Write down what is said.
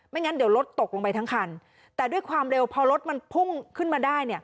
งั้นเดี๋ยวรถตกลงไปทั้งคันแต่ด้วยความเร็วพอรถมันพุ่งขึ้นมาได้